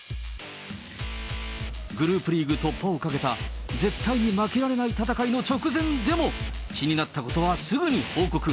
グループリーグ突破をかけた絶対に負けられない戦いの直前でも、気になったことはすぐに報告。